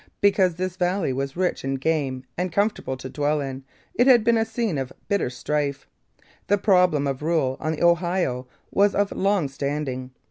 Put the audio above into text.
Because this valley was rich in game and comfortable to dwell in, it had been a scene of bitter strife. The problem of rule on the Ohio was of long standing.